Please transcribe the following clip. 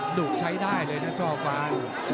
ดุกใช้ได้เลยนะช่อฟ้า